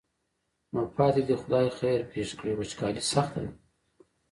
نو پاتې دې خدای خیر پېښ کړي وچکالي سخته ده.